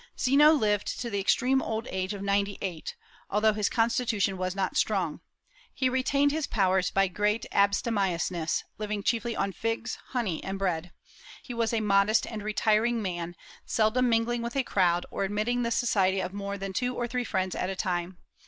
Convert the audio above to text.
Zeno lived to the extreme old age of ninety eight, although his constitution was not strong. He retained his powers by great abstemiousness, living chiefly on figs, honey, and bread. He was a modest and retiring man, seldom mingling with a crowd, or admitting the society of more than two or three friends at a time.